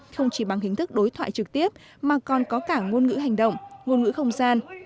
không chỉ bằng hình thức đối thoại trực tiếp mà còn có cả ngôn ngữ hành động ngôn ngữ không gian